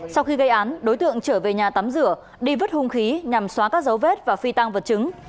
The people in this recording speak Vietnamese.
sau khi gây án đối tượng trở về nhà tắm rửa đi vứt hung khí nhằm xóa các dấu vết và phi tăng vật chứng